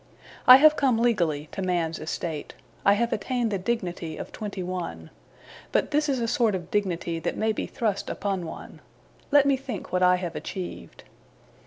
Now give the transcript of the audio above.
I have come legally to man's estate. I have attained the dignity of twenty one. But this is a sort of dignity that may be thrust upon one. Let me think what I have achieved.